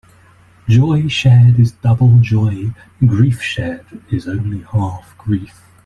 Joy shared is double joy; grief shared is only half grief.